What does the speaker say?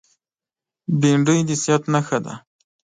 بېنډۍ د صحت نښه ده